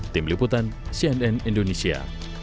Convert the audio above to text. tim liputan cnn indonesia